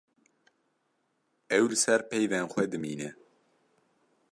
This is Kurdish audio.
Ew li ser peyvên xwe dimîne.